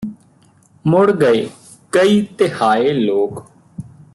ਮੁੜ੍ਹ ਗਏ ਕਈ ਤਿਹਾਏ ਲੋਕ